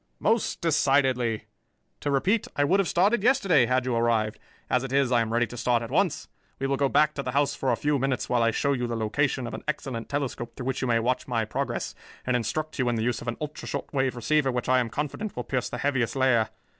"Most decidedly. To repeat, I would have started yesterday, had you arrived. As it is, I am ready to start at once. We will go back to the house for a few minutes while I show you the location of an excellent telescope through which you may watch my progress, and instruct you in the use of an ultra short wave receiver which I am confident will pierce the Heaviside layer.